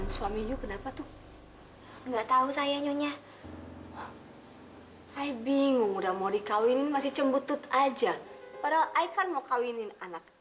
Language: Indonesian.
sampai jumpa di video selanjutnya